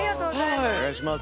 お願いします。